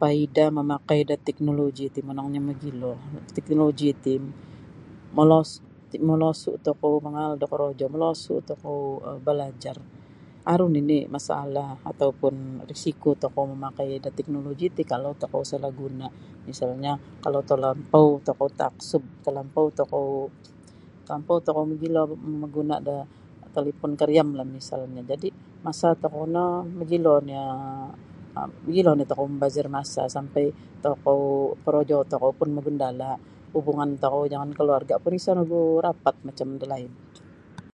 Paidah mamakai da teknologi ti monongnyo mogilo teknologi ti molos-molosu tokou mangaal da korojo molosu tokou um balajar aru nini masalah ataupun risiko tokou mamakai da teknologi ti kalau tokou isalah guna misalnyo kalau talampau tokou taksub talampau tokou talampau tokou mogilo mamaguna da talipun kariam misalnyo jadi masa tokou ni mogilonyo um mogilo nio tokou mambazir masa sampai tokou korojo tokou pun mangandala hubungan tokou jangan keluarga pun isa no gu rapat macam da laid.